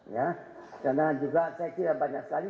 ya karena juga saya cerita banyak sekali